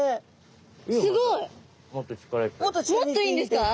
もっといいんですか？